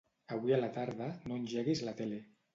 Avui a la tarda no engeguis la tele.